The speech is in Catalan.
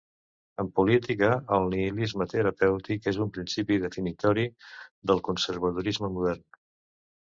En política, el nihilisme terapèutic és un principi definitori del conservadorisme modern.